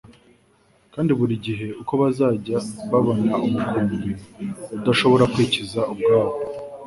kandi buri gihe uko bazajya babona umukumbi udashobora kwikiza ubwawo